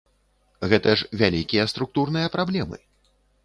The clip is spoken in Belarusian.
Гэта ж вялікія структурныя праблемы.